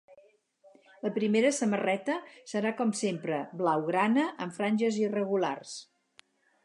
La primera samarreta serà, com sempre, blaugrana amb franges irregulars.